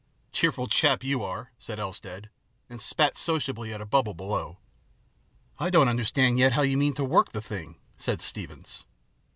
" Cheerful chap you are," said Elstead, and spat sociably at a bubble below. " I don't understand yet how you mean to work the thing," said Steevens.